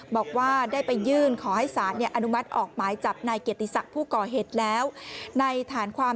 บอกว่าได้ไปยื่นขอให้สารอนุมัติออกหมายจับนายเกียรติศักดิ์ผู้ก่อเหตุแล้วในฐานความ